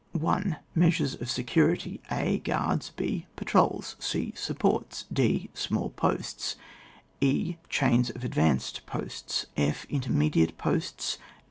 1. Measures of security. a. Guards, h. Patrols, c. Supports. d. Small posts, e. Chains of ad vanced posts. /. Intermediate posts.